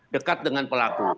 dekat dengan pelaku